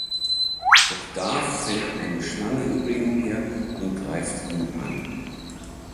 Doch da fällt eine Schlange über ihn her und greift ihn an.